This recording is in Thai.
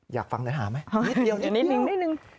อยากฟังเนื้อหาไหมนิดเดียว